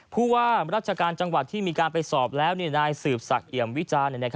ผู้ว่าราชการจังหวัดที่มีการไปสอบแล้วนายสืบศักดิมวิจารณ์